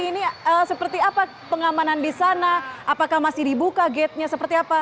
ini seperti apa pengamanan di sana apakah masih dibuka gate nya seperti apa